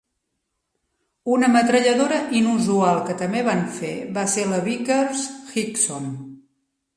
Una metralladora inusual que també van fer va ser la Vickers Higson.